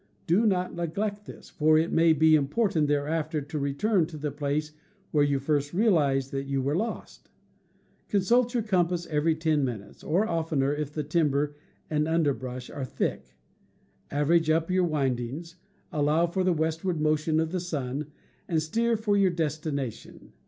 Do not neglect this; for it may be important thereafter to return to the place where you first realized that you were lost. Consult your com pass every ten minutes, or oftener if the timber and underbrush are thick, average up your windings, allow for the westward motion of the sun, and steer for your destination.